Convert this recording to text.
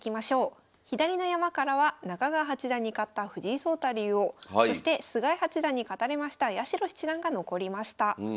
左の山からは中川八段に勝った藤井聡太竜王そして菅井八段に勝たれました八代七段が残りました。